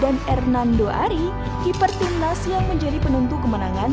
dan hernando ari keeper timnas yang menjadi penentu kemenangan